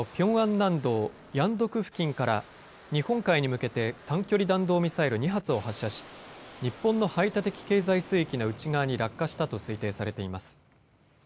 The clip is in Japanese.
南道ヤンドク付近から日本海に向けて短距離弾道ミサイル２発を発射し、日本の排他的経済水域の内側に落下したと推定されています。